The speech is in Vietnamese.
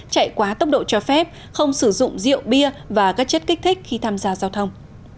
chạy quá tốc độ cho phép không sử dụng rượu bia và các chất kích thích khi tham gia giao thông